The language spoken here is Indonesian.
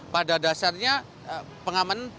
pada dasarnya pengaman cukup biasa saja